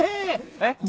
えっ？